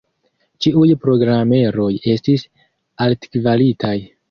Ĉiuj programeroj estis altkvalitaj.